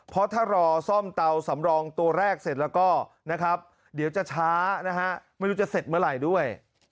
เพราะถ้ารอซ่อมเตาสำรองตัวแรกเสร็จแล้วก็นะครับเดี๋ยวจะช้านะฮะไม่รู้จะเสร็จเมื่อไหร่ด้วย